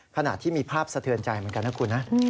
ขณะที่มีภาพสะเทือนใจเหมือนกันนะคุณนะ